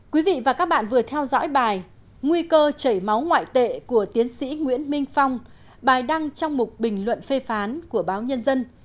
quý vị và các bạn vừa theo dõi bài nguy cơ chảy máu ngoại tệ của tiến sĩ nguyễn minh phong bài đăng trong một bình luận phê phán của báo nhân dân